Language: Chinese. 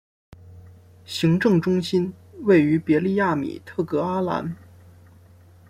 行政中心位于别利亚米特格阿兰。